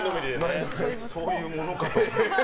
そういうものかと。